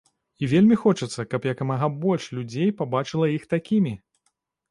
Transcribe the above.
І вельмі хочацца, каб як мага больш людзей пабачыла іх такімі!